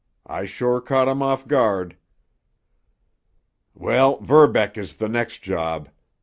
I sure caught him off guard." "Well, Verbeck is the next job.